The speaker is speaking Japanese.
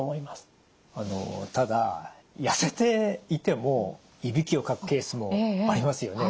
あのただ痩せていてもいびきをかくケースもありますよね。